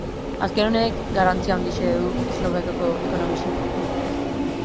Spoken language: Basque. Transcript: Azken honek garrantzi itzela du Eslovakiako ekonomian.